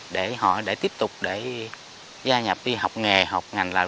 để họ tiếp tục gia nhập đi học nghề học ngành nào